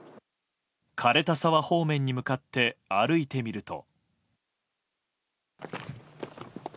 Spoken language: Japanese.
枯れた沢方面に向かって歩いてみると。